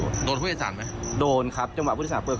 โดนพุทธศาสตร์ไหมโดนครับจังหวะพุทธศาสตร์เปลี่ยน